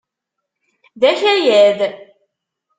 D akayad.